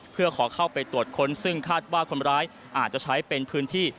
เพื่อขอเข้าไปตรวจค้นซึ่งคาดว่าคนร้ายอาจจะใช้เป็นพื้นที่